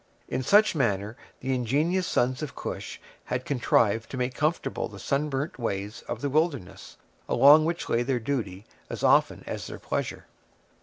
In such manner the ingenious sons of Cush had contrived to make comfortable the sunburnt ways of the wilderness, along which lay their duty as often as their pleasure.